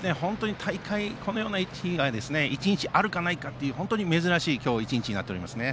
このような大会は１日あるかどうかという本当に珍しい１日になっておりますね。